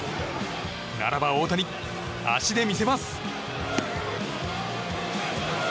ならば大谷、足で魅せます。